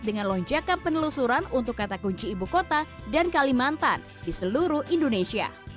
dengan lonjakan penelusuran untuk kata kunci ibu kota dan kalimantan di seluruh indonesia